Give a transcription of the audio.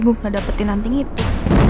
gue gak dapetin nanti gitu